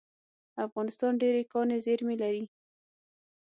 افغانستان ډیرې کاني زیرمې لري